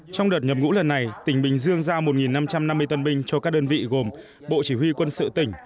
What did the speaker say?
trong đợt nhập ngũ lần này tỉnh bình dương giao một năm trăm năm mươi tân binh cho các đơn vị gồm bộ chỉ huy quân sự tỉnh